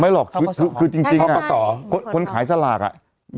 หรอกคือจริงคนขายสลากอ่ะ